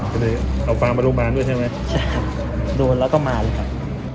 ก็เลยเอาฟางมาโรงพยาบาลด้วยใช่ไหมใช่ครับโดนแล้วก็มาเลยครับ